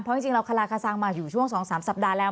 เพราะจริงเราคลาคสังมาอยู่ช่วง๒๓สัปดาห์แล้ว